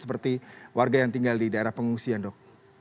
seperti warga yang tinggal di daerah pengungsian dok